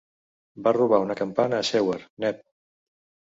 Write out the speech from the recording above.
Van robar una campana de Seward, Neb.